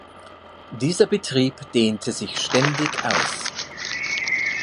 Dieser Betrieb dehnte sich ständig aus.